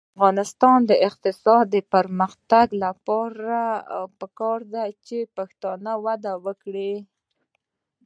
د افغانستان د اقتصادي پرمختګ لپاره پکار ده چې پښتو وده وکړي.